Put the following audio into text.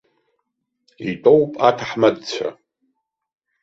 Итәоуп аҭаҳмадцәа.